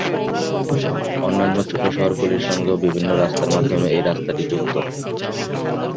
অন্যান্য ছোটো শহরগুলির সঙ্গেও বিভিন্ন রাস্তার মাধ্যমে এই রাস্তাটি যুক্ত।